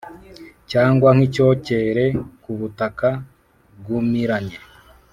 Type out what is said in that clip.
cyangwa nk’icyokere ku butaka bwumiranye.